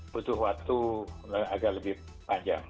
butuh waktu agak lebih panjang